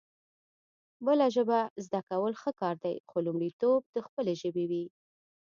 بله ژبه زده کول ښه کار دی خو لومړيتوب د خپلې ژبې وي